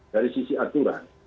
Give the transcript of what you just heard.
dari sisi aturan